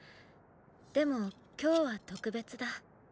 でも今日は特別だ。